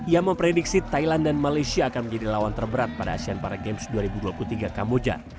ia memprediksi thailand dan malaysia akan menjadi lawan terberat pada asean para games dua ribu dua puluh tiga kamboja